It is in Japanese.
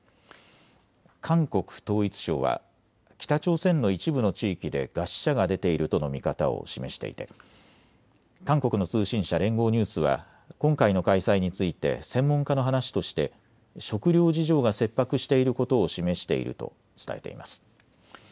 韓国統一省は北朝鮮の一部の地域で餓死者が出ているとの見方を示していて韓国の通信社連合ニュースは今回の開催について専門家の話として食料事情が切迫していることを示していると伝えています。